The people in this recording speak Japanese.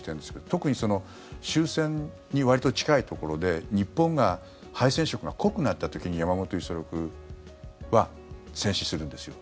特に、終戦にわりと近いところで日本が敗戦色が濃くなった時に山本五十六は戦死するんですよ。